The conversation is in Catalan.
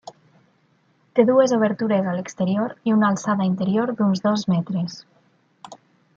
Té dues obertures a l'exterior i una alçada interior d'uns dos metres.